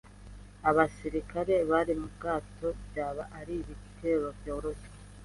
Abasirikare bari mu bwato byaba ari ibitero byoroshye.